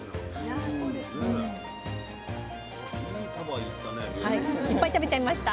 いっぱい食べちゃいました。